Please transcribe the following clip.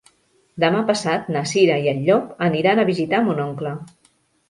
Demà passat na Cira i en Llop aniran a visitar mon oncle.